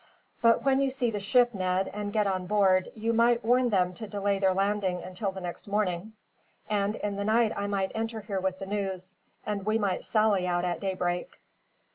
"But when you see the ship, Ned, and get on board, you might warn them to delay their landing until the next morning; and in the night I might enter here with the news, and we might sally out at daybreak."